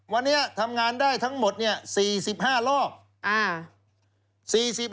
วันนี้ทำงานได้ทั้งหมด๔๕รอบ